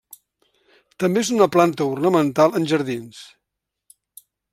També és una planta ornamental en jardins.